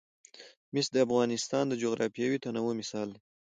مس د افغانستان د جغرافیوي تنوع مثال دی.